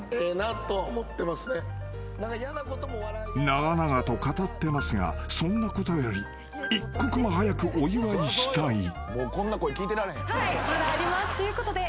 ［長々と語ってますがそんなことより一刻も］ということで。